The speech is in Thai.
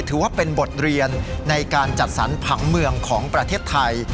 ถือว่าเป็นบทเรียนในการจัดสรรผังเมืองของประเทศไทย